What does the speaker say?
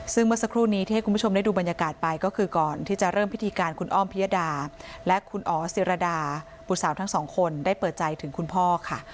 ซึ่งเมื่อสักครู่นี้ที่ให้คุณผู้ชมได้ดูบรรยากาศไปก็คือก่อนที่จะเริ่มพิธีการคุณอ้อมพิยดาและคุณอ๋อศิรดาบุตรสาวทั้งสองคนได้เปิดใจถึงคุณพ่อค่ะ